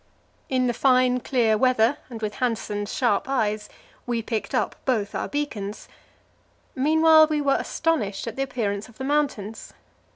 In the fine, clear weather, and with Hanssen's sharp eyes, we picked up both our beacons. Meanwhile we were astonished at the appearance of the mountains.